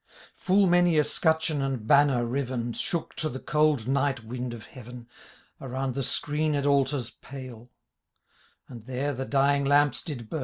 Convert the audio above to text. Full many a scutcheon and banner riven. Shook to the cold night wind of heaven, Aroimd the screened altar's pale ; And there the dying lamps did bum.